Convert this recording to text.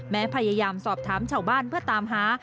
พยายามสอบถามชาวบ้านเพื่อตามหา